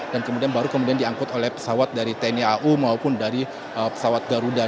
dan kemudian baru kemudian diangkut oleh pesawat dari tni au maupun dari pesawat garuda